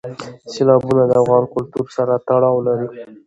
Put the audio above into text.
سیلابونه د افغان کلتور سره تړاو لري.